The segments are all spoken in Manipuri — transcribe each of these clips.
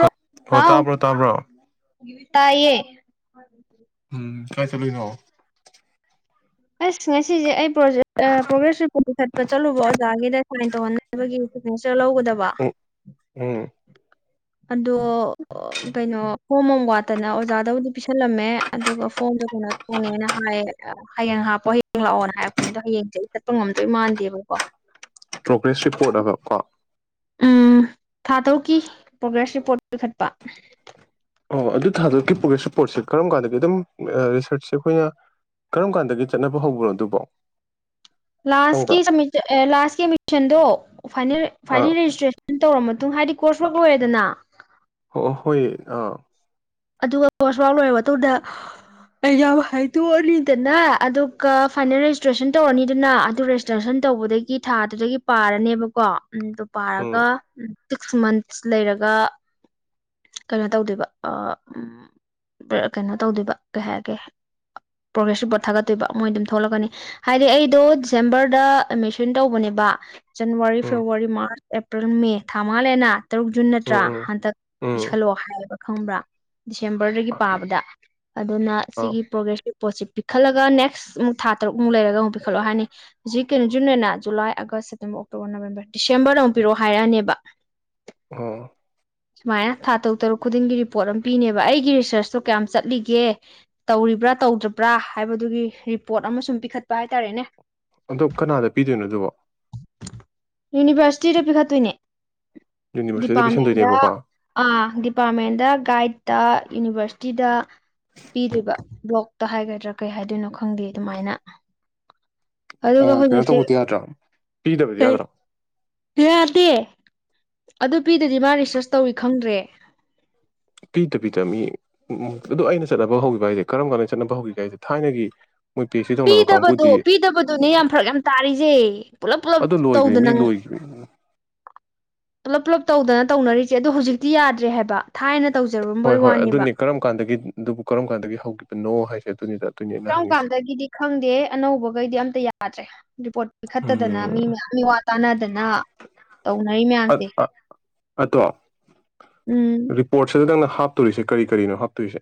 ꯍ ꯑꯣ ꯍꯥꯎ ꯇꯥꯕ꯭ꯔꯣ ꯇꯥꯕ꯭ꯔꯣ ꯇꯥꯏꯌꯦ ꯎꯝ ꯀꯥꯏ ꯆꯠꯂꯨꯏꯅꯣ ꯑꯁ ꯉꯁꯤꯁꯦ ꯑꯩ ꯭ ꯄ꯭ꯔꯣꯒ꯭ꯔꯦꯁ ꯔꯤꯄꯣꯔꯠ ꯄꯤꯈꯠꯄ ꯆꯠꯂꯨꯕ ꯑꯣꯖꯥꯒꯤꯗ ꯁꯥꯏꯟ ꯇꯧꯍꯟꯅꯕꯒꯤ ꯁꯤꯒꯅꯦꯆꯔ ꯂꯧꯒꯗꯕ ꯎꯝ ꯎꯝ ꯑꯗꯣ ꯑꯣ ꯀꯩꯅꯣ ꯐꯣꯝ ꯑꯃ ꯋꯥꯠꯇꯅ ꯑꯣꯖꯥꯗꯕꯨꯗꯤ ꯄꯤꯁꯜꯂꯝꯃꯦ ꯑꯗꯨꯒ ꯐꯣꯝꯗꯣ ꯀꯩꯅꯣ ꯇꯧꯅꯦꯅ ꯍꯥꯏꯌꯦ ꯑꯥ ꯍꯌꯦꯡ ꯍꯥꯞꯄꯣ ꯍꯌꯦꯡ ꯂꯥꯛꯑꯣꯅ ꯍꯥꯏꯔꯛꯄꯅꯦ ꯑꯗꯣ ꯍꯌꯦꯡꯖꯦ ꯑꯩ ꯆꯠꯄ ꯉꯝꯗꯣꯏ ꯃꯥꯟꯗꯦꯕꯀꯣ ꯄ꯭ꯔꯣꯒ꯭ꯔꯦꯁ ꯔꯤꯄꯣꯔꯠ ꯍꯥꯏꯕ ꯀꯣ ꯎꯝ ꯊꯥ ꯇꯔꯨꯛꯀꯤ ꯄ꯭ꯔꯣꯒ꯭ꯔꯦꯁ ꯔꯤꯄꯣꯔꯠ ꯄꯤꯈꯠꯄ ꯑꯣ ꯑꯗꯨ ꯊꯥ ꯇꯔꯨꯛꯀꯤ ꯄ꯭ꯔꯒ꯭ꯔꯦꯁ ꯔꯤꯄꯣꯔꯠꯁꯦ ꯀꯔꯝ ꯀꯥꯟꯗꯗꯒꯤ ꯑꯗꯨꯝ ꯑ ꯔꯤꯁꯔꯠꯁꯦ ꯑꯩꯈꯣꯏꯅ ꯀꯔꯝ ꯀꯥꯟꯗꯒꯤ ꯆꯠꯅꯕ ꯍꯧꯕꯅꯣ ꯑꯗꯨꯕꯣ ꯈꯪꯕ꯭ꯔꯥ ꯂꯥꯁꯀꯤ ꯁꯞꯃꯤꯁꯟ ꯑꯦ ꯂꯥꯁꯀꯤ ꯑꯦꯗꯃꯤꯁꯟꯗꯣ ꯐꯥꯏꯅꯦꯜ ꯑꯥ ꯐꯥꯏꯅꯦꯜ ꯔꯦꯖꯤꯁꯇ꯭ꯔꯦꯁꯟ ꯇꯧꯔ ꯃꯥ ꯑꯗꯨꯝ ꯍꯥꯏꯗꯤ ꯀꯣꯔꯁ ꯋꯥꯛ ꯂꯣꯏꯔꯦꯗꯅ ꯍꯣ ꯍꯣꯏ ꯑꯥ ꯑꯗꯨꯒ ꯀꯣꯔꯁ ꯋꯥꯛ ꯂꯣꯏꯔꯕ ꯑꯗꯨꯗ ꯑꯩ ꯌꯥꯝ ꯍꯩ ꯇꯣꯛꯑꯅꯤꯗꯅ ꯑꯗꯨꯒ ꯐꯥꯏꯅꯦꯜ ꯔꯦꯖꯤꯁꯇ꯭ꯔꯦꯁꯟ ꯇꯧꯔꯅꯤꯗꯅ ꯑꯗꯨ ꯔꯦꯖꯤꯁꯇ꯭ꯔꯦꯁꯟ ꯇꯧꯕꯗꯒꯤ ꯊꯥꯗꯨꯗꯒꯤ ꯄꯥꯔꯅꯦꯕꯀꯣ ꯎꯝ ꯑꯗꯨ ꯎꯝ ꯄꯥꯔꯒ ꯎꯝ ꯁꯤꯛꯁ ꯃꯟꯁ ꯂꯩꯔꯒ ꯀꯩꯅꯣ ꯇꯧꯗꯣꯏꯕ ꯎꯝ ꯕ꯭ꯔꯦ ꯀꯩꯅꯣ ꯇꯧꯗꯣꯏꯕ ꯀꯩ ꯍꯥꯏ ꯀꯩ ꯍꯥꯏ ꯄ꯭ꯔꯣꯒ꯭ꯔꯦꯁ ꯔꯤꯄꯣꯔꯠ ꯊꯥꯒꯠꯇꯣꯏꯕ ꯃꯣꯏ ꯑꯗꯨꯝ ꯊꯣꯛꯂꯛꯀꯅꯤ ꯍꯥꯏꯗꯤ ꯑꯩꯗꯣ ꯗꯤꯁꯦꯝꯕꯔꯗ ꯑꯦꯠꯃꯤꯁꯟ ꯇꯧꯕꯅꯦꯕ January um February March April May ꯊꯥ ꯃꯉꯥ ꯂꯩꯅ ꯇꯔꯨꯛ ꯖꯨꯟ ꯅꯠꯇ꯭ꯔꯥ ꯎꯝ ꯎꯝ ꯍꯟꯇꯛ ꯎꯝ ꯄꯤꯁꯜꯂꯛꯑꯣ ꯍꯥꯏꯌꯦꯕ ꯈꯪꯕ꯭ꯔꯥ ꯗꯤꯁꯦꯝꯕꯔꯗꯒꯤ ꯄꯥꯕꯗ [inaudible] ꯑꯗꯨꯅ ꯑꯥ ꯁꯤꯒꯤ ꯄ꯭ꯔꯣꯒ꯭ꯔꯦꯁꯔꯤ ꯄꯣꯠꯁꯤ ꯄꯤꯈꯠꯂꯒ ꯅꯦꯛꯁ ꯑꯃꯨꯛ ꯊꯥ ꯇꯔꯨꯛꯃꯨꯛ ꯂꯩꯔꯒ ꯑꯃꯨꯛ ꯄꯤꯈꯠꯂꯛꯑꯣ ꯍꯥꯏꯔꯅꯤ ꯍꯧꯖꯤꯛ ꯀꯩꯅꯣꯖꯨꯟ ꯂꯩꯅ July August September October November ꯗꯤꯁꯦꯝꯕꯔꯗ ꯑꯃꯨꯛ ꯄꯤꯔꯛꯑꯣ ꯍꯥꯏꯔꯛꯑꯅꯤꯕ ꯑꯣ ꯁꯨꯃꯥꯏꯅ ꯊꯥ ꯇꯔꯨꯛ ꯇꯔꯨꯛ ꯈꯨꯗꯤꯡꯒꯤ ꯔꯤꯄꯣꯔꯠ ꯑꯃ ꯄꯤꯅꯦꯕ ꯑꯩꯒꯤ ꯔꯤꯁꯔꯁꯇꯣ ꯀꯌꯥꯝ ꯆꯠꯂꯤꯒꯦ ꯇꯧꯔꯤꯕ꯭ꯔꯥ ꯇꯧꯗ꯭ꯔꯕ꯭ꯔꯥ ꯍꯥꯏꯕꯗꯨꯒꯤ ꯔꯤꯄꯣꯔꯠ ꯑꯃ ꯁꯨꯝ ꯄꯤꯈꯠꯄ ꯍꯥꯏꯇꯥꯔꯦꯅꯦ ꯑꯗꯣ ꯀꯅꯥꯗ ꯄꯤꯗꯣꯏꯅꯣ ꯑꯗꯨꯕꯣ ꯌꯨꯅꯤꯚꯔꯁꯤꯇꯤꯗ ꯄꯤꯈꯠꯇꯣꯏꯅꯦ ꯌꯨꯅꯤꯚꯔꯁꯤꯗ ꯄꯤꯁꯟꯗꯣꯏ ꯑꯗ ꯑꯥ ꯗꯤꯄꯥꯔꯠꯃꯦꯟꯗ ꯒꯥꯏꯗꯠꯇ ꯌꯨꯅꯤꯚꯔꯁꯤꯇꯤꯗ ꯄꯤꯗꯣꯏꯕ ꯕ꯭ꯂꯣꯛꯇ ꯍꯥꯏꯒꯗ꯭ꯔꯥ ꯀꯩ ꯍꯥꯏꯗꯣꯏꯅꯣ ꯈꯪꯗꯦ ꯑꯗꯨꯃꯥꯏꯅ ꯑꯗꯨꯒ ꯑꯥ ꯀꯩꯅꯣ ꯍꯧꯖꯤꯛꯁꯦ ꯇꯧꯕꯗꯤ ꯌꯥꯗ꯭ꯔꯣ ꯄꯤꯗꯕꯗꯤ ꯀꯩ ꯌꯥꯗ꯭ꯔꯣ ꯌꯥꯗꯦ ꯑꯗꯨ ꯄꯤꯗꯗꯤ ꯃꯥ ꯔꯤ ꯖꯠꯁ ꯇꯧꯏ ꯈꯪꯗ꯭ꯔꯦ ꯄꯤꯗꯕꯤꯗ ꯃꯤ ꯑꯗꯨ ꯑꯩꯅ ꯆꯠꯅꯕ ꯍꯧꯒꯤꯕ ꯍꯥꯏꯁꯦ ꯀꯔꯝ ꯀꯥꯟꯗ ꯆꯠꯅꯕ ꯍꯧꯒꯤꯒꯦ ꯍꯥꯏꯁꯦ ꯊꯥꯏꯅꯒꯤ ꯃꯣꯏ ꯄꯤ ꯑꯩꯆ ꯗꯤ ꯇꯧꯅꯕ ꯄꯤꯗꯕꯗꯣ ꯀꯥꯡꯕꯨꯗꯤ ꯄꯤꯗꯕꯗꯨꯅꯦ ꯌꯥꯝ ꯐꯔꯛ ꯌꯥꯝ ꯇꯥꯔꯤꯖꯦ ꯄꯨꯂꯞ ꯄꯨꯂꯞ ꯑꯗꯨ ꯂꯣꯏꯈ꯭ꯔꯦ ꯃꯤ ꯇꯧꯗꯅ ꯂꯣꯏꯈ꯭ꯔꯦ ꯄꯨꯂꯞ ꯄꯨꯂꯞ ꯇꯧꯗꯅ ꯇꯧꯅꯔꯤꯖꯦ ꯑꯗꯣ ꯍꯧꯖꯤꯛꯇꯤ ꯌꯥꯗ꯭ꯔꯦ ꯍꯥꯏꯕ ꯊꯥꯏꯅ ꯍꯣꯏ ꯇꯧꯖꯔꯝꯕꯩ ꯍꯣꯏ ꯋꯥꯅꯦꯕ ꯑꯗꯨꯅꯤ ꯀꯔꯝ ꯀꯥꯟꯗꯒꯤ ꯑꯗꯨꯕꯨ ꯀꯔꯝ ꯀꯥꯟꯗꯒꯤ ꯍꯧꯒꯤꯕꯅꯣ ꯍꯥꯏꯖꯦ ꯗꯨꯅꯤꯗ ꯀꯔꯝ ꯀꯥꯟꯗꯒꯤꯗꯤ ꯈꯪꯗꯦ ꯑꯅꯧꯕꯒꯩꯗꯤ ꯑꯝꯇ ꯌꯥ ꯌꯗꯔ꯭ꯦ ꯔꯤꯄꯣꯔꯠ ꯄꯤꯈꯠꯇꯗꯅ ꯎꯝ ꯃꯤ ꯃꯌꯥꯝ ꯃꯤꯋꯥ ꯇꯥꯅꯗꯅ ꯇꯧꯅꯔꯤ ꯃꯌꯥꯝꯁꯦ ꯑꯗꯣ ꯎꯝ ꯔꯤꯄꯣꯔꯠꯁꯤꯗ ꯅꯪꯅ ꯍꯥꯞꯇꯣꯔꯤꯁꯦ ꯀꯔꯤ ꯀꯔꯤꯅꯣ ꯍꯥꯞꯇꯣꯏꯁꯦ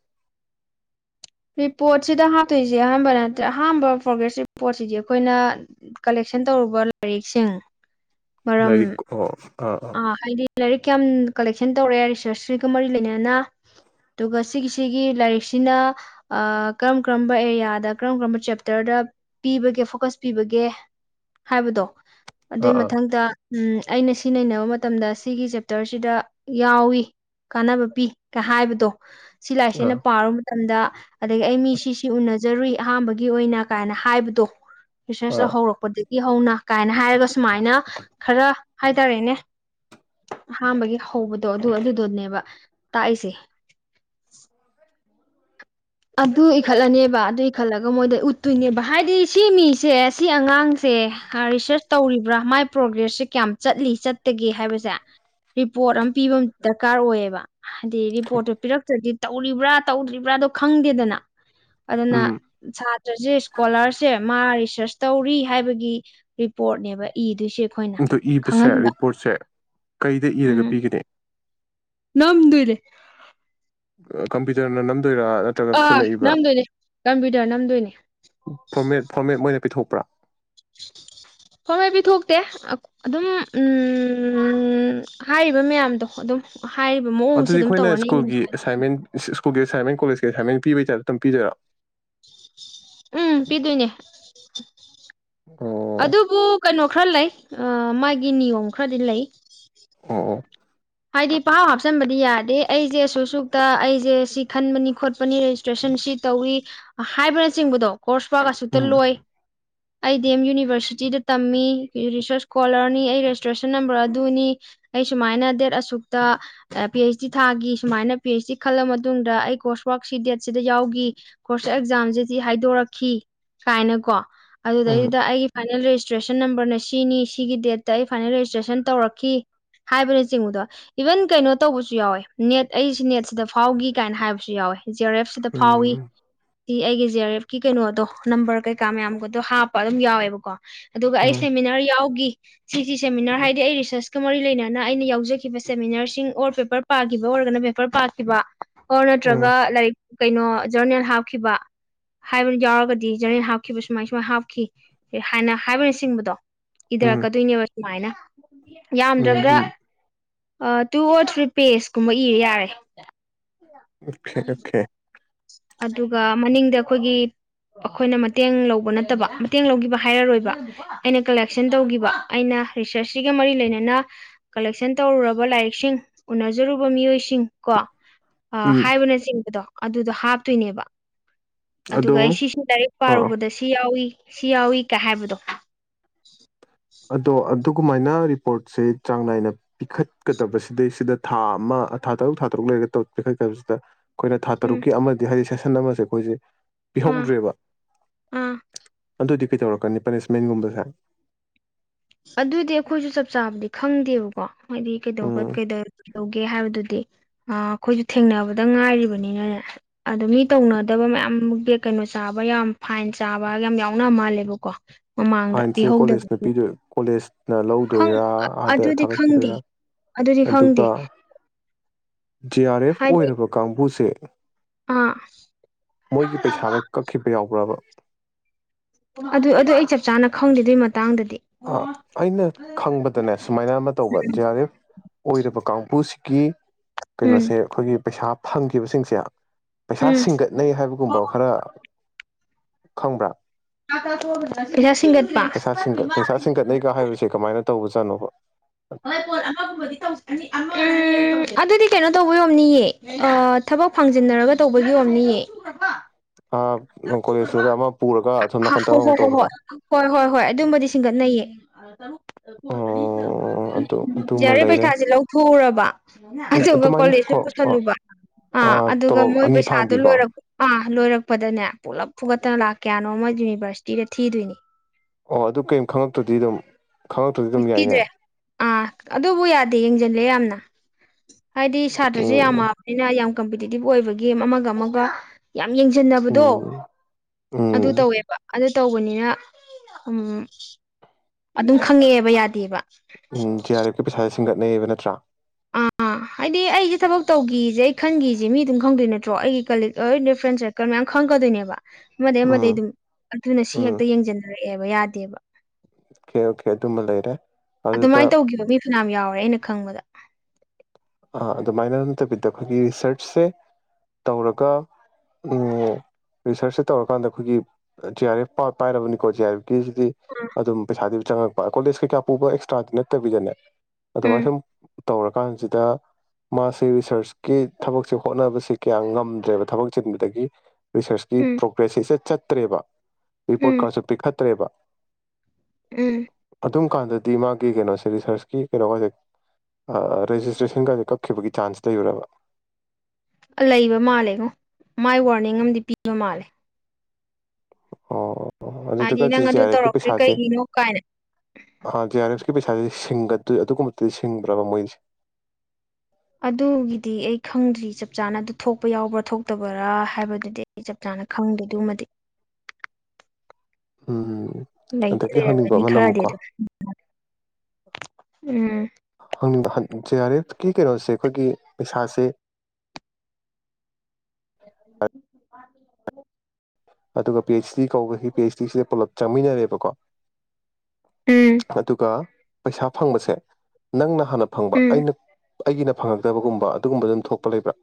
ꯔꯤꯄꯣꯠꯁꯤꯗ ꯍꯥꯞꯇꯣꯏꯁꯦ ꯑꯍꯥꯟꯕ ꯅꯠꯇ꯭ꯔ ꯑꯍꯥꯟꯕ ꯄ꯭ꯔꯣꯒ꯭ꯔꯦꯁ ꯔꯤꯄꯣꯔꯠꯁꯤꯗꯤ ꯑꯩꯈꯣꯏꯅ ꯀꯂꯦꯛꯁꯟ ꯇꯧꯔꯨꯕ ꯂꯥꯏꯔꯤꯛꯁꯤꯡ ꯂꯥꯏꯔꯤꯛ ꯑꯣ ꯑꯥ ꯍꯥꯏꯗꯤ ꯂꯥꯏꯔꯤꯛ ꯌꯥꯝ ꯀꯂꯦꯛꯁꯟ ꯇꯧꯔꯛꯑꯦ ꯔꯤꯁꯔꯁꯁꯤꯒ ꯃꯔꯤ ꯂꯩꯅꯅ ꯑꯗꯨꯒ ꯁꯤꯒꯤꯁꯤꯒꯤ ꯂꯥꯏꯔꯤꯛꯁꯤꯅ ꯀꯔꯝ ꯀꯔꯝꯕ ꯑꯦꯔꯤꯌꯥꯗ ꯀꯔꯝ ꯀꯔꯝꯕ ꯆꯦꯞꯇꯔꯗ ꯄꯤꯕꯒꯦ ꯐꯣꯀꯁ ꯄꯤꯕꯒꯦ ꯍꯥꯏꯕꯗꯣ ꯑꯗꯨꯏ ꯑꯥ ꯑꯥ ꯃꯊꯪꯗ ꯎꯝ ꯑꯩꯅ ꯁꯤ ꯅꯩꯅꯕ ꯃꯇꯝꯗ ꯁꯤꯒꯤ ꯆꯦꯞꯇꯔꯁꯤꯗ ꯌꯥꯎꯋꯤ ꯀꯥꯟꯅꯕ ꯄꯤ ꯀ ꯍꯥꯏꯕꯗꯣ ꯁꯤ ꯂꯥꯏꯔꯤꯛꯁꯦ ꯑꯥ ꯑꯩꯅ ꯄꯥꯔꯨ ꯃꯇꯝꯗ ꯑꯗꯒꯤ ꯑꯩ ꯃꯤ ꯁꯤꯁꯤ ꯎꯅ ꯖꯔꯨꯏ ꯑꯍꯥꯥꯟꯕꯒꯤ ꯑꯣꯏꯅ ꯀꯥꯏꯅ ꯍꯥꯏꯕꯗꯣ ꯔꯤꯁꯔꯁ ꯑꯥ ꯍꯧꯔꯛꯄꯗ ꯏꯍꯧꯅ ꯀꯥꯏꯅ ꯍꯥꯏꯔꯒ ꯁꯨꯃꯥꯏꯅ ꯈꯔ ꯍꯥꯏꯇꯥꯔꯦꯅꯦ ꯑꯍꯥꯝꯕꯒꯤ ꯍꯧꯕꯗꯣ ꯑꯗꯨ ꯑꯗꯨꯗꯣꯅꯦꯕ ꯇꯥꯛꯏꯁꯦ ꯑꯗꯨ ꯏꯈꯠꯂꯅꯦꯕ ꯑꯗꯨ ꯏꯈꯠꯂꯒ ꯃꯣꯏꯗ ꯎꯠꯇꯣꯏꯅꯦꯕ ꯍꯥꯏꯗꯤ ꯁꯤ ꯃꯤꯁꯦ ꯁꯤ ꯑꯉꯥꯡꯁꯦ ꯔꯤꯁꯔꯁ ꯇꯧꯔꯤꯕ꯭ꯔꯥ ꯃꯥꯏ ꯄ꯭ꯔꯣꯒ꯭ꯔꯦꯁꯁꯦ ꯀꯌꯥꯝ ꯆꯠꯂꯤ ꯆꯠꯇꯒꯦ ꯍꯥꯏꯕꯁꯦ ꯔꯤꯄꯣꯔꯠ ꯑꯃ ꯄꯤꯕ ꯑꯃ ꯗꯔꯀꯥꯔ ꯑꯣꯏꯌꯦꯕ ꯍꯥꯏꯗꯤ ꯔꯤꯄꯣꯔꯠꯇꯨ ꯄꯤꯔꯛꯇ꯭ꯔꯗꯤ ꯇꯧꯔꯤꯕ꯭ꯔꯥ ꯇꯧꯗ꯭ꯔꯤꯕ꯭ꯔꯥꯗꯣ ꯈꯪꯗꯦꯗꯅ ꯑꯗꯨꯅ ꯎꯝ ꯁꯥꯇ꯭ꯔꯁꯦ ꯏꯁꯀꯣꯂꯥꯔꯁꯦ ꯃꯥ ꯔꯤꯁꯔꯁ ꯇꯧꯔꯤ ꯍꯥꯏꯕꯒꯤ ꯔꯤꯄꯣꯔꯠꯅꯦꯕ ꯏꯗꯨꯏꯁꯦ ꯑꯗꯣ ꯏꯕꯁꯦ ꯔꯤꯄꯣꯔꯠꯁꯦ ꯀꯩꯗ ꯏꯔꯒ ꯎꯝ ꯄꯤꯒꯅꯤ ꯅꯝꯗꯣꯏꯅꯦ ꯀꯝꯄ꯭ꯌꯨꯇꯔꯅ ꯅꯝ ꯗꯣꯏꯔꯥ ꯅꯠꯇ꯭ꯔꯒ ꯑꯥ ꯈꯣꯠꯅꯏꯕ ꯅꯝꯗꯣꯏꯅꯦ ꯀꯝꯄ꯭ꯌꯨꯇꯔ ꯅꯝꯗꯣꯏꯅꯦ ꯐꯣꯔꯃꯦꯠ ꯐꯣꯔꯃꯦꯠ ꯃꯣꯏꯅ ꯄꯤꯊꯣꯛ ꯄꯔꯥ ꯍꯣꯏ ꯍꯣꯏ ꯄꯤꯊꯣꯛꯇꯦ ꯑꯗꯨꯝ ꯎꯝ ꯍꯥꯏꯔꯤꯕ ꯃꯌꯥꯝꯗꯣ ꯑꯗꯨꯝ ꯍꯥꯏꯔꯤꯕ ꯃꯑꯣꯡꯁꯦ ꯑꯗꯨꯗꯤ ꯑꯗꯨꯝ ꯑꯩꯈꯣꯏꯅ ꯇꯧꯔꯅꯤ ꯑꯩꯅ ꯁ꯭ꯀꯨꯜꯒꯤ ꯉꯁꯥꯏ ꯑꯦꯁꯥꯏꯟꯃꯦꯟꯇ ꯑꯁ ꯁ ꯁ꯭ꯀꯜꯒꯤ ꯑꯦꯁꯥꯏꯟꯃꯦꯟꯇ ꯀꯣꯂꯦꯖꯀꯤ ꯑꯦꯁꯥꯏꯟꯃꯦꯟꯇ ꯄꯤꯕꯒꯤ ꯇꯥꯢꯞꯇ ꯇꯪ ꯄꯤꯗꯣꯢꯔ ꯎꯝ ꯄꯤꯗꯣꯏꯅꯦ ꯑꯣ ꯑꯗꯨꯕꯨ ꯀꯩꯅꯣ ꯈꯔ ꯂꯩ ꯑꯥ ꯃꯥꯒꯤ ꯅꯤꯌꯣꯝ ꯈꯔꯗꯤ ꯂꯩ ꯑꯣ ꯑꯣ ꯍꯥꯏꯗꯤ ꯄꯥꯍꯥꯞ ꯍꯥꯞꯆꯤꯟꯕꯗꯤ ꯌꯥꯗꯦ ꯑꯩꯁꯦ ꯁꯨ ꯁꯨꯛꯇ ꯑꯩꯁꯦ ꯁꯤ ꯈꯟꯕꯅꯤ ꯈꯣꯠꯄꯅꯤ ꯔꯦꯖꯤꯁꯇ꯭ꯔꯦꯁꯟ ꯁꯤ ꯇꯧꯏ ꯑ ꯍꯥꯏꯕꯅ ꯆꯤꯡꯕꯗꯣ ꯀꯣꯔꯁ ꯄꯥꯥꯕ ꯑꯁꯨꯛꯇ ꯎꯝ ꯂꯣꯏ ꯑꯩ ꯗꯤ ꯑꯦꯝ ꯌꯨꯅꯤꯚꯔꯁꯤꯇꯤꯗ ꯇꯝꯃꯤ ꯔꯤꯁꯔꯁ ꯁꯀꯣꯂꯔꯅꯤ ꯑꯩ ꯔꯦꯖꯤꯁꯇ꯭ꯔꯦꯁꯟ ꯅꯝꯕꯔ ꯑꯗꯨꯅꯤ ꯑꯩ ꯁꯨꯃꯥꯏꯅ ꯗꯦꯠ ꯑꯁꯨꯛꯇ ꯑ ꯄꯤ ꯑꯩꯆ ꯗꯤ ꯊꯥꯈꯤ ꯁꯨꯃꯥꯏꯅ ꯄꯤ ꯑꯩꯆ ꯗꯤ ꯈꯜꯂ ꯃꯇꯨꯡꯗ ꯑꯩ ꯀꯣꯔꯁ ꯋꯥꯔꯛꯁꯤ ꯗꯦꯠꯁꯤꯗ ꯌꯥꯎꯈꯤ ꯀꯣꯔꯁ ꯑꯦꯛꯖꯥꯝꯁꯤꯗꯤ ꯍꯥꯏꯗꯣꯔꯛꯈꯤ ꯀꯥꯏꯅꯀꯣ ꯎꯝ ꯑꯗꯨꯗꯒꯤꯗ ꯑꯩ ꯐꯥꯏꯅꯦꯜ ꯔꯦꯁ ꯔꯦꯖꯤꯁꯇ꯭ꯔꯦꯁꯟ ꯅꯝꯕꯔꯅ ꯁꯤꯅꯤ ꯁꯤꯒꯤ ꯗꯦꯠꯇ ꯑꯩ ꯐꯥꯏꯅꯦꯜ ꯔꯦꯖꯤꯁꯇ꯭ꯔꯦꯁꯟ ꯇꯧꯔꯛꯈꯤ ꯍꯥꯏꯕꯅ ꯆꯤꯡꯕꯗꯣ ꯏꯚꯟ ꯀꯩꯅꯣ ꯇꯧꯕꯁꯨ ꯌꯥꯎꯋꯦ ꯅꯦꯠ ꯑꯩꯁꯤ ꯅꯦꯠꯁꯤꯗ ꯐꯥꯎꯈꯤ ꯀꯥꯏꯅ ꯍꯥꯏꯕꯁꯨ ꯌꯥꯎꯋꯦ ꯖꯤꯌꯔ ꯑꯦꯐ ꯁꯤꯗ ꯐꯥꯎꯏ ꯎꯝ ꯁꯤ ꯑꯩꯒꯤ ꯖꯤ ꯑꯔ ꯑꯦꯐ ꯀꯤ ꯀꯩꯅꯣꯗꯣ ꯅꯝꯕꯔ ꯀꯩꯀꯥ ꯃꯌꯥꯝꯒꯗꯣ ꯍꯥꯞꯄ ꯑꯗꯨꯝ ꯌꯥꯎꯋꯦꯕꯀꯣ ꯑꯗꯨꯒ ꯑꯩ ꯎꯝ ꯁꯦꯃꯤꯅꯔ ꯌꯥꯎꯒꯤ ꯁꯤ ꯁꯤ ꯁꯦꯃꯤꯅꯔ ꯍꯥꯏꯗꯤ ꯑꯩ ꯔꯤꯁꯔꯁꯀ ꯃꯔꯤ ꯂꯩꯅꯅ ꯑꯩꯅ ꯌꯥꯎꯖ ꯈꯤꯕ ꯁꯦꯃꯤꯅꯔꯁꯤꯡ ꯑꯣꯔ ꯄꯦꯄꯔ ꯄꯥꯈꯤꯕ ꯑꯣꯏꯔꯒꯅ ꯄꯦꯄꯔ ꯄꯥꯈꯤꯕ ꯑꯣꯔ ꯅꯠꯇ꯭ꯔꯒ ꯎꯝ ꯂꯥꯏꯔꯤꯛ ꯀꯩꯅꯣ ꯖꯔꯅꯦꯜ ꯍꯥꯞꯈꯤꯕ ꯍꯥꯏꯕ ꯌꯥꯎꯔꯒꯗꯤ ꯖꯔꯅꯦꯜ ꯍꯥꯞꯈꯤꯕ ꯁꯨꯃꯥꯏ ꯁꯨꯃꯥꯏ ꯍꯥꯞꯈꯤ ꯍꯥꯏꯅ ꯍꯥꯏꯕꯅꯆꯤꯡꯕꯗꯣ ꯎꯝ ꯏꯙꯔꯛꯀꯗꯣꯏꯅꯦꯕ ꯁꯨꯃꯥꯏꯅ ꯎꯝ ꯌꯥꯝꯗ꯭ꯔꯒ ꯎꯝ ꯑꯥ ꯇꯨ ꯑꯣꯔ ꯊ꯭ꯔꯤ ꯄꯦꯖ ꯀꯨꯝꯕ ꯏꯔ ꯌꯥꯔꯦ ꯑꯣꯀꯦ ꯑꯣꯀꯦ ꯑꯗꯨꯒ ꯃꯅꯤꯡꯗ ꯑꯩꯈꯣꯏꯒꯤ ꯑꯩꯈꯣꯏꯅ ꯃꯇꯦꯡ ꯂꯧꯕ ꯅꯠꯇꯕ ꯃꯇꯦꯡ ꯂꯧꯈꯤꯕ ꯍꯥꯏꯔꯔꯣꯏꯕ ꯑꯩꯅ ꯀꯂꯦꯛꯁꯟ ꯇꯧꯈꯤꯕ ꯑꯩꯅ ꯔꯤꯁꯔꯁꯁꯤꯒ ꯃꯔꯤ ꯂꯩꯅꯅ ꯀꯂꯦꯛꯁꯟ ꯇꯧꯔꯨꯔꯕ ꯂꯥꯏꯔꯤꯛꯁꯤꯡ ꯎꯅꯖꯔꯨꯕ ꯃꯤꯑꯣꯏꯁꯤꯡ ꯁꯤꯡ ꯀꯣ ꯑꯥ ꯎꯝ ꯍꯥꯏꯕꯅꯆꯤꯡꯕꯗꯣ ꯑꯗꯨꯗꯣ ꯍꯥꯞꯇꯣꯏꯅꯦꯕ ꯑꯗꯨꯒ ꯑꯗꯣ ꯑꯩ ꯁꯤꯁꯤ ꯂꯥꯏꯔꯤꯛ ꯑꯥ ꯄꯥꯔꯨꯕꯗ ꯁꯤ ꯌꯥꯎꯏ ꯁꯤ ꯌꯥꯎꯋꯤ ꯀ ꯍꯥꯏꯕꯗꯣ ꯑꯗꯣ ꯑꯥꯠ ꯑꯗꯨ ꯀꯃꯥꯏꯅ ꯔꯤꯄꯣꯔꯠꯁꯦ ꯆꯥꯡ ꯅꯥꯏꯅ ꯄꯤꯈꯠꯀꯗꯕꯁꯤꯗꯩ ꯁꯤꯗ ꯊꯥ ꯑꯃ ꯊꯥ ꯇꯔꯨꯛ ꯊꯥ ꯇꯔꯨꯛ ꯂꯩꯔ ꯇ ꯄꯤꯈꯠꯀꯗꯕꯁꯤꯗ ꯑꯩꯈꯣꯏꯅ ꯊꯥ ꯎꯝ ꯇꯔꯨꯛꯀꯤ ꯑꯃꯗꯤ ꯍꯥꯏꯗꯤ ꯁꯦ ꯍꯟꯅꯃꯁꯦ ꯑꯩꯈꯣꯏꯁꯦ ꯑꯥ ꯄꯤꯍꯧꯗ꯭ꯔꯦꯕ ꯑꯥ ꯑꯗꯨꯗꯤ ꯄꯤ ꯇꯧꯔꯛꯀꯅꯤ ꯄꯅꯤꯁꯃꯦꯟꯒꯨꯝꯕꯁꯦ ꯑꯗꯨꯏꯗꯤ ꯑꯩꯈꯣꯏꯁꯨ ꯆꯞ ꯆꯥꯕꯗꯤ ꯈꯪꯗꯦꯕꯀꯣ ꯍꯥꯢꯗꯤ ꯀꯩꯗꯧꯒꯠ ꯎꯝ ꯀꯩ ꯗꯔ ꯇꯧꯒꯦ ꯍꯥꯏꯕꯗꯨꯗꯤ ꯑꯩꯈꯣꯏꯁꯨ ꯊꯦꯡꯅꯕꯗ ꯉꯥꯏꯔꯤꯕꯅꯤꯅꯅꯦ ꯑꯗꯣ ꯃꯤ ꯇꯧꯅꯗꯕ ꯃꯌꯥꯝꯃ ꯀꯩꯅꯣ ꯆꯥꯕ ꯌꯥꯝ ꯐꯥꯏꯟ ꯆꯥꯕ ꯌꯥꯝ ꯌꯥꯎꯅ ꯃꯥꯜꯂꯦꯕꯀꯣ ꯃꯃꯥꯡꯗ ꯐꯥꯏꯟꯁꯦ ꯄꯤꯍꯧꯗꯕ ꯀꯣꯂꯦꯖꯅ ꯄꯤꯗꯣꯏ ꯀꯣꯂꯦꯖꯅ ꯈꯪ ꯂꯧꯗꯣꯏꯔ ꯑꯥꯗ ꯑꯗꯨꯗꯤ ꯈꯪꯗꯦ ꯊꯥꯒꯠꯈꯤꯗꯣꯏꯔ ꯑꯗꯨꯗꯤ ꯈꯪꯗꯦ ꯑꯗꯨꯒ ꯖꯦ ꯑꯥꯔ ꯑꯦꯐ ꯍꯥꯏꯗꯤ ꯑꯣꯏꯔꯕ ꯀꯥꯡꯕꯨꯁꯦ ꯑꯥ [inaudible] ꯃꯣꯏꯒꯤ ꯄꯩꯁꯥꯒ ꯀꯛꯈꯤꯕ ꯌꯥꯎꯕ꯭ꯔꯕ ꯑꯗꯨ ꯑꯗꯨꯗꯣ ꯑꯩ ꯆꯞ ꯆꯥꯅ ꯈꯪꯗꯦ ꯑꯗꯨ ꯃꯇꯥꯡ ꯑꯥ ꯑꯩꯅ ꯈꯪꯕꯗꯅꯦ ꯁꯨꯃꯥꯏꯅ ꯑꯃ ꯇꯧꯕ ꯖꯤ ꯑꯥꯔ ꯑꯦꯐ ꯑꯣꯏꯔꯕ ꯀꯥꯡꯕꯨꯁꯤꯒꯤ ꯎꯝ ꯀꯩꯅꯣꯁꯦ ꯑꯩꯈꯣꯏꯒꯤ ꯄꯩꯁꯥ ꯐꯪꯈꯤꯕꯁꯤꯡꯁꯦ ꯄꯩꯁꯥ ꯎꯝ ꯁꯤꯡꯒꯠꯅꯩ ꯍꯥꯏꯕꯒꯨꯝꯕ ꯈꯔ ꯈꯪꯕ꯭ꯔꯥ [unintelligible] ꯄꯩꯁꯥ ꯁꯤꯡꯒꯠꯄ ꯄꯩꯁꯥ ꯁꯤꯡꯒꯠ ꯄꯩꯁꯥ ꯁꯤꯡꯒꯠꯅꯩ ꯀꯥ ꯍꯥꯏꯕꯁꯦ ꯀꯃꯥꯏꯅ ꯇꯧꯕꯖꯥꯠ ꯇꯅꯣꯕ ꯍꯣꯏ ꯄꯣꯠ ꯑꯃ ꯇꯧ [unintelligible] ꯑꯗꯨꯗꯤ ꯀꯩꯅꯣ ꯇꯧꯕꯩ ꯑꯣꯏꯔꯝꯅꯤꯌꯦ ꯊꯕꯛ ꯐꯪꯖꯤꯟꯅꯔꯒ ꯇꯧꯕꯒꯤ ꯑꯣꯏꯔꯝꯅꯤꯌꯦ ꯑ ꯂꯣ ꯀꯣꯂꯦꯁꯁꯤꯗ ꯑꯃ ꯄꯨꯔꯒ ꯑꯁꯣꯝ ꯅꯥꯀꯟꯗ ꯍꯣꯏ ꯍꯣ ꯑꯃꯃꯨꯛ ꯍꯣꯏ ꯇꯧꯕꯗꯣ ꯍꯣꯏ ꯍꯣꯏ ꯍꯣꯏ ꯍꯣꯏ ꯑꯗꯨꯝꯕꯗꯤ ꯁꯤꯡꯒꯠꯅꯩꯑꯌꯦ ꯑꯣ ꯑꯗꯨ ꯖꯤ ꯑꯗꯨꯃ ꯑꯔ ꯑꯐ ꯂꯩꯔꯦ ꯄꯩꯁꯥꯁꯦ ꯂꯧꯊꯣꯛꯎꯔꯕ ꯑꯗꯨꯒ ꯑꯗꯨꯃꯥꯏꯅ ꯀꯣꯂꯦꯖꯇ ꯍꯣ ꯍꯣ ꯄꯨꯁꯜꯂꯨꯕ ꯑꯥ ꯑꯗꯨꯒ ꯇꯣꯂꯣꯞ ꯃꯣꯏ ꯑꯅꯤ ꯄꯩꯁꯥꯗꯣ ꯐꯥꯡꯕꯤꯀꯣ ꯂꯣꯏꯔꯕ ꯑ ꯑ ꯂꯣꯏꯔꯛꯄꯗꯅꯦ ꯄꯨꯂꯞ ꯐꯨꯀꯠꯇꯅ ꯂꯥꯛ ꯀꯌꯥꯅꯣ ꯑꯣ ꯃꯣꯏ ꯌꯨꯅꯤꯚꯔꯁꯤꯇꯤꯗ ꯊꯤꯗꯣꯏꯅꯤ ꯑꯣ ꯑꯗꯨ ꯀꯩꯝ ꯈꯪꯉꯛꯇ꯭ꯔꯗꯤ ꯑꯗꯨꯝ ꯈꯪꯉꯛꯇ꯭ꯔꯗꯤ ꯑꯗꯨꯝ ꯌꯥꯏꯅꯦ ꯊꯤꯗ꯭ꯔꯦ ꯑꯥ ꯑꯗꯨꯕꯨ ꯌꯥꯗꯦ ꯌꯦꯡꯁꯤꯜꯂꯦ ꯌꯥꯝꯅ ꯍꯥꯏꯗꯤ ꯁꯥꯇ꯭ꯔꯁꯦ ꯎꯝ ꯌꯥꯝꯃꯛꯑꯕꯅꯤꯅ ꯌꯥꯝ ꯀꯝꯄꯤꯇꯤꯇꯤꯚ ꯑꯣꯏꯕꯒꯤ ꯑꯃꯒ ꯑꯃꯒ ꯌꯥꯝ ꯌꯦꯡꯁꯤꯟꯅꯕꯗꯣ ꯎꯝ ꯑꯗꯨ ꯎꯝ ꯇꯧꯋꯦꯕ ꯑꯗꯨ ꯇꯧꯕꯅꯤꯅ ꯎꯝ ꯑꯗꯨꯝ ꯈꯪꯉꯛꯑꯦꯕ ꯌꯥꯗꯦꯕ ꯎꯝ ꯖꯤ ꯑꯥꯔ ꯑꯦꯐꯀꯤ ꯄꯩꯁꯥꯁꯦ ꯁꯤꯡꯒꯠꯅꯩꯌꯦꯕ ꯅꯠꯇ꯭ꯔꯥ ꯑꯥ ꯍꯥꯏꯗꯤ ꯑꯩꯁꯦ ꯊꯕꯛ ꯇꯧꯈꯤꯁꯦ ꯑꯩ ꯈꯟꯒꯤꯁꯦ ꯃꯤ ꯑꯗꯨꯝ ꯈꯪꯗꯣꯏ ꯅꯠꯇ꯭ꯔꯣ ꯑꯩꯒꯤ ꯀꯂꯤꯛ ꯑꯩ ꯐ꯭ꯔꯦꯟꯁ ꯁꯔꯀꯜ ꯃꯌꯥꯝ ꯈꯪꯉꯛꯀꯗꯣꯏꯅꯦꯕ ꯑꯃꯗꯩꯩ ꯎꯝ ꯑꯃꯗꯩꯩ ꯑꯗꯨꯝ ꯑꯗꯨꯅ ꯁꯤ ꯎꯝ ꯍꯦꯛꯇ ꯌꯦꯡꯁꯤꯟꯅꯔꯦ ꯀꯩꯕ ꯌꯥꯗꯦꯕ ꯑꯣꯀꯦ ꯑꯣꯀꯦ ꯑꯗꯨꯃ ꯂꯩꯔꯦ ꯑꯗꯨꯗ ꯑꯗꯨꯃꯥꯏꯅ ꯇꯧꯈꯤꯕ ꯃꯤ ꯐꯅꯌꯥꯝ ꯌꯥꯎꯔꯦ ꯑꯩꯅ ꯈꯪꯕꯗ ꯑꯥ ꯑꯗꯨꯃꯥꯏꯅ ꯅꯠꯇꯕꯤꯗ ꯑꯩꯈꯣꯏꯒꯤ ꯔꯤꯁꯔꯆꯁꯦ ꯇꯧꯔꯒ ꯎꯝ ꯔꯤꯁꯔꯆꯁꯦ ꯇꯧꯔꯀꯥꯟꯗ ꯑꯩꯈꯣꯏꯒꯤ ꯖꯦ ꯑꯥꯔ ꯑꯦꯐ ꯄꯥꯏꯔꯕꯅꯤꯀꯣ ꯖꯦ ꯑꯥꯔ ꯑꯦꯐ ꯗꯤꯜꯗꯤ ꯑꯗꯨꯝ ꯄꯩꯁꯥꯗꯤ ꯆꯪꯉꯛꯄ ꯀꯣꯂꯦꯖ ꯀꯩꯀꯥ ꯄꯨꯕ ꯑꯦꯛꯁꯇ꯭ꯔꯥꯗꯤ ꯅꯠꯇꯕꯤꯗꯅꯦ ꯎꯝ ꯑꯗꯨꯃꯥꯏꯁꯨꯝ ꯇꯧꯔꯀꯥꯟꯁꯤꯗ ꯃꯥꯁꯦ ꯔꯤꯁꯔꯁꯀꯤ ꯊꯕꯛꯁꯦ ꯍꯣꯠꯅꯕꯁꯦ ꯀꯌꯥ ꯉꯝꯗ꯭ꯔꯦꯕ ꯊꯕꯛ ꯆꯤꯟꯕꯗꯒꯤ ꯔꯤꯁꯔꯁꯀꯤ ꯎꯝ ꯄ꯭ꯔꯣꯒ꯭ꯔꯦꯁꯁꯦ ꯏꯆꯠ ꯆꯠ ꯇ꯭ꯔꯦꯕ ꯔꯤꯄꯣꯔꯠ ꯎꯝ ꯀꯥꯁꯦ ꯄꯤꯈꯠꯇ꯭ꯔꯦꯕ ꯎꯝ ꯑꯗꯨꯝ ꯀꯥꯟꯗꯗꯤ ꯃꯥꯒꯤ ꯀꯩꯅꯣꯁꯦ ꯔꯤꯁꯔꯁꯀꯤ ꯀꯩꯅꯣꯒꯁꯦ ꯑꯥ ꯔꯦꯁꯇ꯭ꯔꯦꯁꯟ ꯁꯤꯡꯒꯗ [unintelligible] ꯀꯛꯈꯤꯕꯒꯤ ꯆꯥꯟꯁ ꯂꯩꯕ꯭ꯔꯕ ꯂꯩꯕ ꯃꯥꯜꯂꯦꯉꯣ ꯃꯥꯏ ꯋꯥꯔꯅꯤꯡ ꯑꯃꯗꯤ ꯄꯤꯕ ꯃꯥꯜꯂꯦ ꯑꯣ ꯑꯣ ꯍꯥꯏꯗꯤ ꯑꯗꯨꯗꯨꯒꯁꯦ ꯅꯪ ꯖꯦ ꯑꯗꯨ ꯑꯥꯔ ꯑꯦꯐꯀꯤ ꯇꯧꯔꯛꯇ꯭ꯔꯤ ꯄꯩꯁꯥꯁꯦ ꯀꯩꯒꯤꯅꯣ ꯀꯥꯏꯅ ꯑꯥ ꯖꯦ ꯑꯥꯔ ꯑꯦꯐ ꯀꯤ ꯄꯩꯁꯥꯁ ꯁꯤꯡꯒꯗꯣꯏ ꯑꯗꯨꯒꯨꯝꯕꯗꯤ ꯁꯤꯡꯕ꯭ꯔꯕ ꯃꯣꯏꯁꯦ ꯑꯗꯨꯒꯤꯗꯤ ꯑꯩ ꯈꯪꯗ꯭ꯔꯤ ꯆꯞ ꯆꯥꯅ ꯑꯗꯨ ꯊꯣꯛꯄ ꯌꯥꯎꯕ꯭ꯔꯥ ꯊꯣꯛꯇꯕꯔꯥ ꯍꯥꯏꯕꯗꯨꯗꯤ ꯑꯩ ꯆꯞ ꯆꯥꯅ ꯈꯪꯗꯦ ꯑꯗꯨꯃꯗꯤ ꯎꯝ ꯂꯩꯗꯤ ꯑꯗꯒꯤ ꯍꯪꯅꯤꯡꯕ ꯂꯩꯔꯝꯒꯅꯤ ꯑꯃꯅ ꯈꯔꯤꯗꯤ ꯑꯃꯨꯛꯀꯣ ꯗꯨꯝ ꯎꯝ ꯥꯍꯪꯅꯤꯡꯕ ꯖꯦ ꯑꯥꯔ ꯑꯦꯐꯀꯤ ꯀꯩꯅꯣꯁꯦ ꯑꯩꯈꯣꯏꯒꯤ ꯄꯩꯁꯥꯁꯦ [inaudible] ꯑꯗꯨꯒ P H C ꯀꯧꯕꯒꯤ P H ꯗꯤꯁꯦ ꯄꯨꯂꯞ ꯆꯪꯃꯤꯟꯅꯔꯦꯕꯀꯣ ꯎꯝ ꯑꯗꯨꯒ ꯄꯩꯁꯥ ꯐꯪꯕꯁꯦ ꯅꯪꯅ ꯍꯥꯟꯅ ꯐꯪꯕ ꯎꯝ ꯑꯩꯅ ꯑꯩꯒꯤꯅ ꯐꯪꯉꯛꯇꯕꯒꯨꯝꯕ ꯑꯗꯨꯒꯨꯝꯕꯗꯨ ꯑꯗꯨꯝ ꯊꯣꯛꯄ ꯂꯩꯕ꯭ꯔꯥ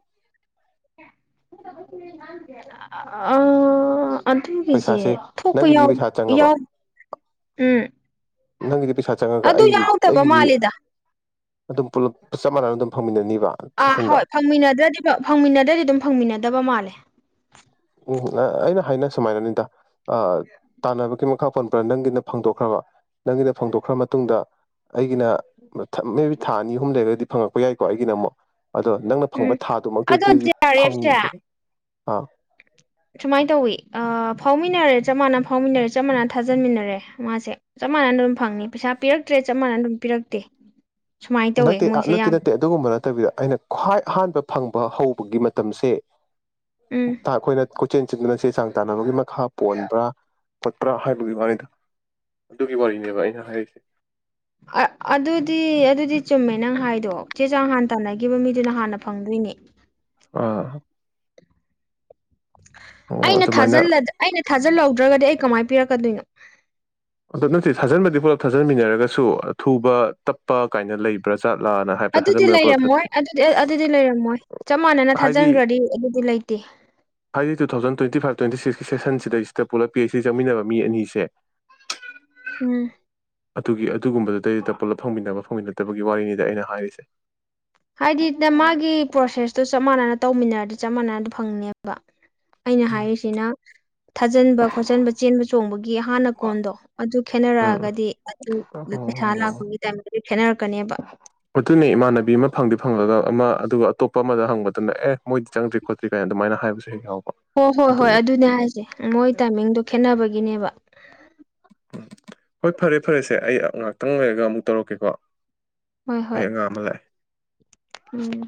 ꯑꯥ ꯑꯗꯨꯒꯤꯁꯦ ꯄꯩꯁꯥꯁꯦ ꯊꯣꯛꯄ ꯌꯥ ꯅꯪꯒꯤꯗꯤ ꯄꯩꯁꯥ ꯆꯪꯉꯕ ꯌꯥꯎ ꯎꯝ ꯅꯪꯒꯤꯗꯤ ꯄꯩꯁꯥ ꯆꯪꯉꯒ ꯑꯗꯨ ꯑꯩꯒꯤꯗꯤ ꯌꯥꯎꯗꯕ ꯑꯩꯒꯤꯗꯤ ꯃꯥꯜꯂꯤꯗ ꯑꯗꯨꯝ ꯄꯨꯂꯞ ꯆꯞ ꯃꯥꯟꯅꯅ ꯑꯗꯨꯝ ꯐꯪꯃꯤꯟꯅꯅꯤ ꯑꯥ ꯍꯣꯏ ꯐꯪꯃꯤꯟꯅꯗ꯭ꯔꯗꯤ ꯐꯪꯃꯤꯟꯅꯗ꯭ꯔꯗꯤ ꯑꯗꯨꯝ ꯐꯪꯃꯤꯟꯅꯗꯕ ꯃꯥꯜꯂꯦ ꯎꯝ ꯑꯩꯅ ꯍꯥꯏꯅ ꯁꯨꯃꯥꯏꯅꯅꯤꯗ ꯇꯥꯟꯅꯕꯒꯤ ꯃꯈꯥ ꯄꯣꯟꯕ꯭ꯔꯥ ꯅꯪꯒꯤꯅ ꯐꯣꯡꯗꯣꯛꯈ꯭ꯔꯕ ꯅꯪꯒꯤꯅ ꯐꯪꯗꯣꯛꯈ꯭ꯔ ꯃꯇꯨꯡꯗ ꯑꯩꯒꯤꯅ ꯃꯦꯕꯤ ꯊꯥ ꯑꯅꯤ ꯑꯍꯨꯝ ꯂꯩꯔꯒꯗꯤ ꯐꯪꯉꯛꯄ ꯌꯥꯏꯀꯣ ꯑꯩꯒꯤꯗ ꯑꯃꯨꯛ ꯑꯗꯣ ꯅꯪꯅ ꯎꯝ ꯐꯪꯕ ꯑꯗꯣ ꯊꯥꯗꯨꯃꯛꯇꯗꯗꯤ ꯖꯦ ꯑꯥꯔ ꯑꯦꯐꯁꯦ ꯐꯪꯗ꯭ꯔꯦ ꯑꯥ ꯁꯨꯃꯥꯏꯅ ꯇꯧꯏꯤ ꯐꯥꯎꯃꯤꯟꯅꯔꯦ ꯆꯞ ꯃꯥꯟꯅꯅ ꯐꯥꯎꯃꯤꯟꯅꯔꯦ ꯆꯞ ꯃꯥꯟꯅꯅ ꯊꯥꯖꯟꯃꯤꯟꯅꯔꯦ ꯃꯥꯁꯦ ꯆꯞ ꯃꯥꯟꯅꯅ ꯑꯗꯨꯝ ꯐꯪꯅꯤ ꯄꯩꯁꯥ ꯄꯤꯔꯛꯇ꯭ꯔꯦ ꯆꯞ ꯃꯥꯟꯅꯅ ꯑꯗꯨꯝ ꯄꯤꯔꯛꯇꯦ ꯁꯨꯃꯥꯏꯅ ꯇꯧꯋꯦ ꯅꯠꯇꯦ ꯃꯣꯏꯁꯦ ꯅꯠꯇꯦ ꯌꯥꯝ ꯅꯠꯇꯦ ꯑꯗꯨꯒꯨꯝꯕ ꯅꯠꯇꯦ ꯅꯠꯇꯕꯤꯗ ꯑꯩꯅ ꯈ꯭ꯋꯥꯏ ꯑꯍꯥꯟꯕ ꯐꯪꯕ ꯍꯧꯕꯒꯤ ꯃꯇꯝꯁꯦ ꯎꯝ ꯊ ꯈꯣꯏꯅ ꯈꯣ ꯆꯦꯟ ꯆꯦꯟꯗꯅ ꯆꯦ ꯆꯥꯡ ꯇꯥꯟꯅꯕꯒꯤ ꯃꯈꯥ ꯄꯣꯟꯕ꯭ꯔꯥ ꯈꯣꯠꯄ꯭ꯔꯥ ꯍꯥꯏꯕꯒꯤ ꯋꯥꯔꯤꯗꯣ ꯑꯗꯨꯒꯤ ꯋꯥꯔꯤꯅꯦꯕ ꯑꯩꯅ ꯍꯥꯏꯔꯤꯁꯦ ꯑꯗꯨꯗꯤ ꯑꯗꯨꯗꯤ ꯆꯨꯝꯃꯦ ꯅꯪ ꯍꯥꯏꯗꯣ ꯆꯦ ꯆꯥꯡ ꯍꯥꯟꯅ ꯇꯥꯟꯅꯈꯤꯕ ꯃꯤꯗꯨꯅ ꯍꯥꯟꯅ ꯐꯪꯗꯣꯏꯅꯦ ꯑꯥ ꯑꯣ ꯑꯩꯅ ꯑꯗꯨꯃꯥꯏꯅ ꯊꯥꯖꯤꯜ ꯑꯩꯅ ꯊꯥꯖꯤꯜꯍꯧꯗ ꯅꯠꯇ꯭ꯔꯒꯗꯤ ꯑꯩ ꯀꯃꯥꯏꯅ ꯄꯤꯔꯛꯀꯗꯣꯏꯅꯣ ꯑꯗꯨ ꯅꯠꯇꯦ ꯊꯥꯖꯟꯕꯗꯤ ꯄꯨꯂꯞ ꯊꯥꯖꯟꯃꯤꯟꯅꯔꯒꯁꯨ ꯑꯊꯨꯕ ꯇꯞꯄ ꯀꯥꯏꯅ ꯂꯩꯕ꯭ꯔꯥ ꯖꯥꯠꯂꯥꯅ ꯍꯥꯏꯕ ꯑꯗꯨꯗꯤ ꯊꯥꯖꯟꯕꯅ ꯄꯨꯂꯞ ꯂꯩꯔꯝꯃꯣꯏ ꯊꯥ- ꯑꯗꯨꯗꯤ ꯑꯗꯨꯗꯤ ꯂꯩꯔꯝꯃꯣꯏ ꯆꯞ ꯃꯥꯟꯅꯅ ꯍꯥꯏꯗꯤ ꯊꯥꯖꯤꯟꯈ꯭ꯔꯗꯤ ꯑꯗꯨꯗꯤ ꯂꯩꯇꯦ ꯍꯥꯏꯗꯤ two thousand twenty five twenty ꯁꯤꯛꯁꯀꯤ ꯁꯦꯁꯟ ꯁꯤꯗꯩꯁꯤꯗ ꯄꯨꯜꯂꯞ ꯄ ꯁꯤ ꯆꯪꯃꯤꯟꯅꯕ ꯃꯤ ꯑꯅꯤꯁꯦ ꯎꯝ ꯑꯗꯨꯒꯨꯝꯕꯗꯨꯗꯩꯗꯨꯗ ꯄꯨꯂꯞ ꯐꯪꯃꯤꯟꯅꯕ ꯐꯪꯃꯤꯟꯅꯗꯕꯒꯤ ꯋꯥꯔꯤꯅꯤꯗ ꯑꯩꯅ ꯍꯥꯏꯔꯤꯁꯦ ꯍꯥꯏꯗꯤꯗ ꯃꯥꯒꯤ ꯄ꯭ꯔꯣꯁꯦꯁꯇꯣ ꯆꯞ ꯃꯥꯟꯅꯅ ꯇꯧꯃꯤꯟꯅꯔꯗꯤ ꯆꯞ ꯃꯥꯟꯅꯅ ꯐꯪꯅꯦꯕ ꯑꯩꯅ ꯍꯥꯏꯔꯤꯁꯤꯅ ꯊꯥꯖꯟꯕ ꯈꯣꯠꯆꯟꯕ ꯆꯦꯟꯕ ꯆꯣꯡꯕꯒꯤ ꯒꯤ ꯍꯥꯟꯅ ꯀꯣꯟꯗꯣ ꯑꯗꯨ ꯎꯝ ꯈꯦꯠꯅꯔꯛꯑꯒꯗꯤ ꯑꯗꯨ ꯄꯩꯁꯥ ꯑꯣ ꯂꯥꯛꯄꯒꯤ ꯇꯥꯏꯃꯤꯡ ꯈꯦꯠꯅꯔꯛꯀꯅꯦꯕ ꯑꯗꯨꯅꯤ ꯏꯃꯥꯟꯅꯕꯤ ꯑꯃ ꯐꯪꯗꯤ ꯐꯪꯂꯒ ꯑꯃ ꯑꯗꯨꯒ ꯑꯇꯣꯞꯄ ꯑꯃꯗ ꯍꯪꯕ ꯃꯇꯝꯗ ꯑꯦ ꯃꯣꯏꯗꯤ ꯆꯪꯗ꯭ꯔꯤ ꯈꯣꯠꯇ꯭ꯔꯤ ꯀꯥꯏꯅ ꯑꯗꯨꯃꯥꯏꯅ ꯍꯥꯏꯕꯁꯨ ꯍꯦꯛ ꯌꯥꯎꯕ ꯍꯣ ꯍꯣꯏ ꯍꯣꯏ ꯑꯗꯨꯅꯤ ꯑꯗꯨꯅꯦ ꯍꯥꯏꯁꯦ ꯃꯣꯏ ꯇꯥꯏꯃꯤꯡꯗꯣ ꯈꯦꯠꯅꯕꯒꯤ ꯒꯤꯅꯦꯕ ꯎꯝ ꯍꯣꯏ ꯐꯔꯦ ꯐꯔꯦꯁꯦ ꯑꯩ ꯉꯍꯥꯛꯇꯪ ꯂꯩꯔꯒ ꯑꯃꯨꯛ ꯇꯧꯔꯛꯀꯦꯀꯣ ꯍꯣꯏ ꯑꯩ ꯍꯣꯏ ꯑꯉꯥꯡ ꯑꯃ ꯂꯥꯛꯑꯦ ꯎꯝ